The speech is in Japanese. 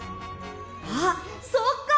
あっそっか！